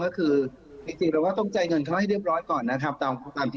ก็คือจริงแล้วก็ต้องใจเงินเขาให้เรียบร้อยก่อนนะครับตาม